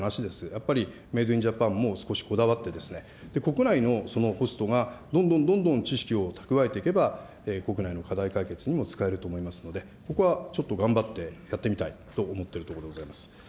やっぱりメイド・イン・ジャパンをもう少しこだわって、国内のホストがどんどんどんどん知識を蓄えていけば、国内の課題解決にも使えると思いますので、ここはちょっと頑張ってやってみたいと思っているところでございます。